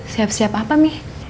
siap siap apa mih